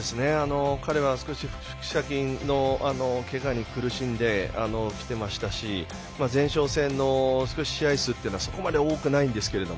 彼は少し腹斜筋のけがに苦しんできていましたし前哨戦の試合数もそこまで多くないんですが。